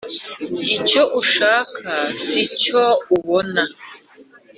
icyo ushaka si cyo ubona.